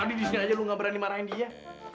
nah tadi disini aja lo gak berani marahin dia